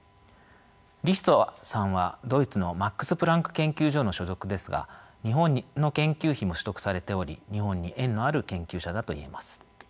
リストさんはドイツのマックスプランク研究所の所属ですが日本の研究費も取得されており日本に縁のある研究者だといえます。